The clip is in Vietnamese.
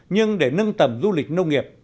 nhưng để nâng tầm du lịch nông nghiệp